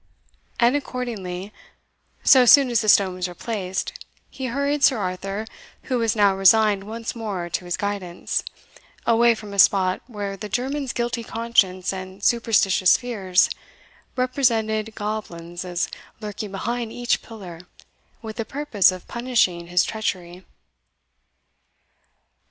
And accordingly, so soon as the stone was replaced, he hurried Sir Arthur, who was now resigned once more to his guidance, away from a spot, where the German's guilty conscience and superstitious fears represented goblins as lurking behind each pillar with the purpose of punishing his treachery.